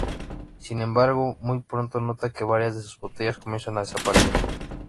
Sin embargo, muy pronto nota que varias de sus botellas comienzan a desaparecer.